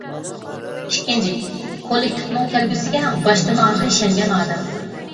ئىككىنچى: كوللېكتىپنىڭ كەلگۈسىگە باشتىن-ئاخىر ئىشەنگەن ئادەم.